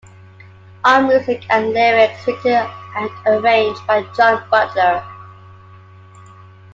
All music and lyrics written and arranged by John Butler.